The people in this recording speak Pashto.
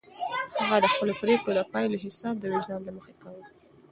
هغه د خپلو پرېکړو د پایلو حساب د وجدان له مخې کاوه.